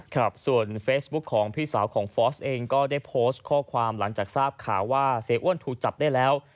ครับส่วนเฟซบุ๊คของพี่สาวของฟอสเองก็ได้โพสต์ข้อความหลังจากทราบข่าวว่าเสียอ้วนถูกจับได้แล้ว